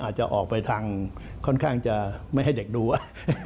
อาจจะออกไปทางค่อนข้างจะไม่ให้เด็กดูว่า